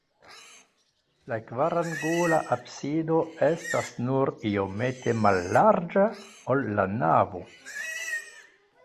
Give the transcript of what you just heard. La kvarangula absido estas nur iomete mallarĝa, ol la navo.